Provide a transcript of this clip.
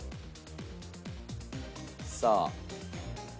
さあ。